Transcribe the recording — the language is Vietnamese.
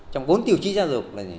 trong bốn tiểu trí gia dục là gì